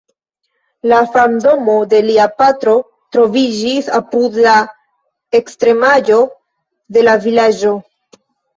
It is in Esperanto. La farmdomo de lia patro troviĝis apud la ekstremaĵo de la vilaĝo.